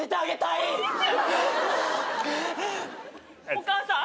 お母さん？